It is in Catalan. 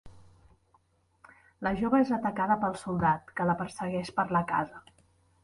La jove és atacada pel soldat, que la persegueix per la casa.